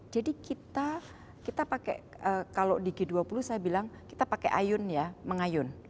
kita pakai kalau di g dua puluh saya bilang kita pakai ayun ya mengayun